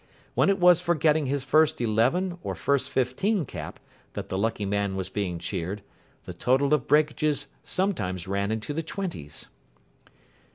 When it was for getting his first eleven or first fifteen cap that the lucky man was being cheered, the total of breakages sometimes ran into the twenties.